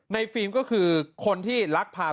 หัวดูลาย